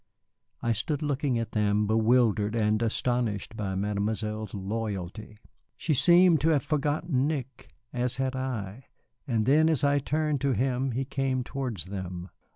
I stood looking at them, bewildered and astonished by Mademoiselle's loyalty. She seemed to have forgotten Nick, as had I, and then as I turned to him he came towards them.